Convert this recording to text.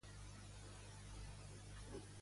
Jo també em dic Ada, a de a